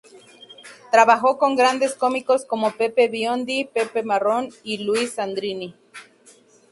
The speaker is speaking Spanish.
Trabajó con grandes cómicos como Pepe Biondi, Pepe Marrone y Luis Sandrini.